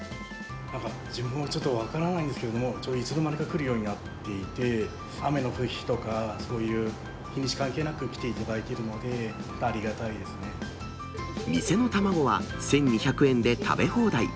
自分もちょっと分からないんですけど、いつの間にか来るようになっていて、雨の日とか、そういう日にち関係なく、来ていただいているので、店の卵は１２００円で食べ放題。